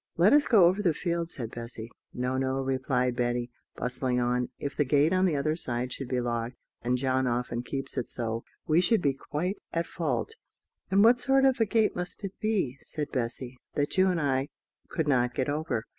"Let us go over the field," said Bessy. "No, no," replied Betty, bustling on. "If the gate on the other side should be locked and John often keeps it so we should be quite at fault." "And what sort of a gate must it be," said Bessy, "that you and I could not get over?"